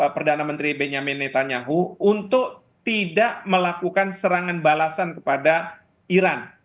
perdana menteri benyamin netanyahu untuk tidak melakukan serangan balasan kepada iran